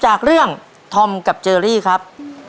จากเรื่องธอมกับเจอรี่ครับ